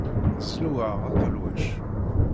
Zlu-aɣ aqelwac.